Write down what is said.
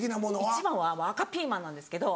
一番は赤ピーマンなんですけど。